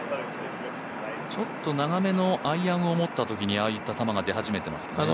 ちょっと長めのアイアンを持ったときにああいった球が出始めてますね。